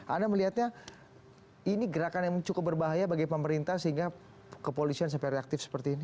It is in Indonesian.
anda melihatnya ini gerakan yang cukup berbahaya bagi pemerintah sehingga kepolisian sampai reaktif seperti ini